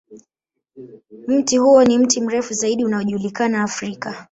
Mti huo ni mti mrefu zaidi unaojulikana Afrika.